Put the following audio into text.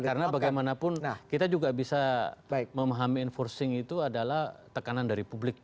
karena bagaimanapun kita juga bisa memahami enforcing itu adalah tekanan dari publik